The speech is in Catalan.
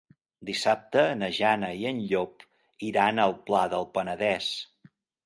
Dissabte na Jana i en Llop iran al Pla del Penedès.